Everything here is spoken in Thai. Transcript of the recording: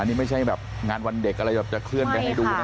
อันนี้ไม่ใช่งานวันเด็กจะเคลื่อนไปให้ดูนะ